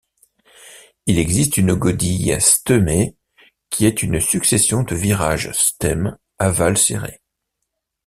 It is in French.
Il existe une godille stemmée qui est une succession de virages stem aval serrés.